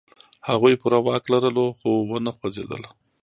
هغوی پوره واک لرلو، خو و نه خوځېدل.